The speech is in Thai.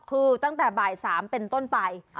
คือตั้งแต่บ่าย๓เป็นต้นไป